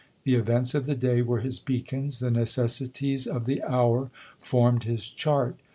The events of the day were his beacons ; the necessities of the hour formed his chart.